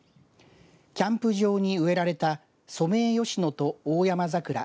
キャンプ場に植えられたソメイヨシノとオオヤマザクラ